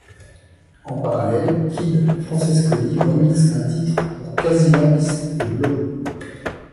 En parallèle, Kid Francescoli remixe un titre pour Kazy Lambist et Blow.